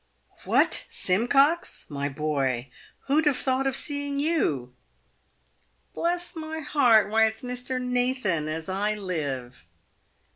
" "What, Simcox, my boy, who'd have thought of seeing you ?"" Bless my heart ! why it's Mr. Nathan, as I live